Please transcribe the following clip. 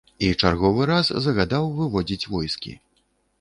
І чарговы раз загадаў выводзіць войскі.